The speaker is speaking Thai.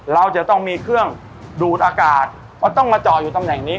เราจะต้องมีเครื่องดูดอากาศเพราะต้องมาจอดอยู่ตำแหน่งนี้